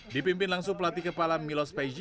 dipimpin langsung pelatih kepala milos peji